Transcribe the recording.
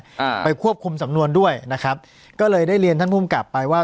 อ่าไปควบคุมสำนวนด้วยนะครับก็เลยได้เรียนท่านภูมิกลับไปว่า